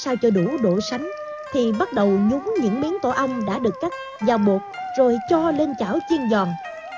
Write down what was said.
sau đó pha bột mì với nước sao cho đủ độ sánh thì bắt đầu nhúng những miếng tổ ong đã được cắt và bột rồi cho lên chảo chiên giòn